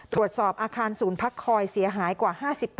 ตรวจสอบอาคารศูนย์พักคอยเสียหายกว่า๕๐